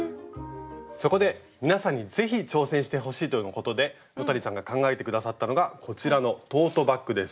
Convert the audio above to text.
そこで皆さんに是非挑戦してほしいとのことで野谷さんが考えて下さったのがこちらのトートバッグです。